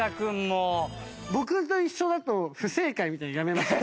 僕と一緒だと不正解みたいなのやめましょう。